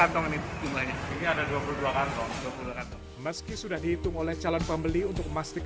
uang koin ini sudah ia kumpulkan selama sembilan tahun atau sejak dua ribu tiga belas